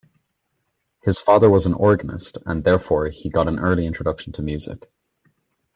His father was an organist, and therefore he got an early introduction to music.